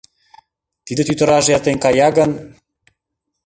Тиде тӱтыраже эртен кая гын